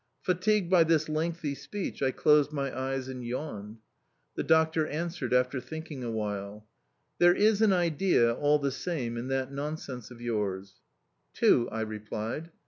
Fatigued by this lengthy speech, I closed my eyes and yawned. The doctor answered after thinking awhile: "There is an idea, all the same, in that nonsense of yours." "Two," I replied.